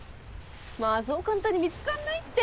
まあそう簡単に見つかんないって。